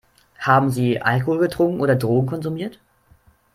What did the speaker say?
Haben Sie Alkohol getrunken oder Drogen konsumiert?